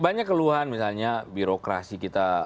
banyak keluhan misalnya birokrasi kita